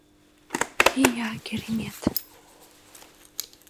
Ия, керемет!